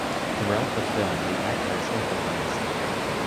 Throughout the film the actors improvised.